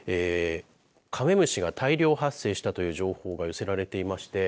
カメムシが大量発生したという情報が寄せられていまして